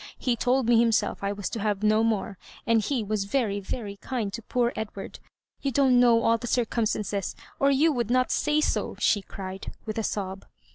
He told me himself I was to have no more ; and he was veiy, very kind to poor Edward. Tou don't know all the circam stances, or you would not say so," she cried, with a sob.